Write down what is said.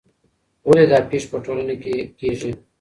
ولې دا پېښې په ټولنه کې کیږي؟